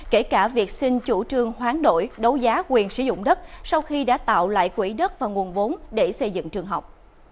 kể cả việc xin chủ trương hoán đổi đấu giá quyền sử dụng đất sau khi đã tạo lại quỹ đất và nguồn vốn để xây dựng trường học